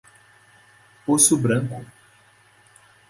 Poço Branco